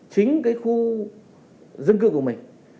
chính khu dân cư của mình